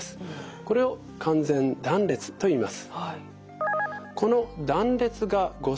これを完全断裂といいます。